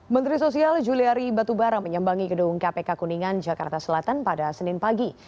menteri sosial juliari batubara menyambangi gedung kpk kuningan jakarta selatan pada senin pagi